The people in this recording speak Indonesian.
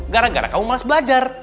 gara gara kamu malas belajar